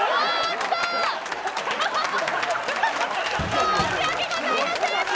申し訳ございません。